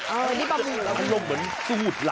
เออนี่ประหมูล